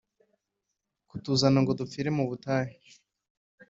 kutuzana ngo dupfire mu butayu?